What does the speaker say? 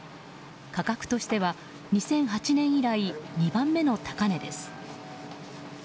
価格としては２００８年以来２番目の高値です。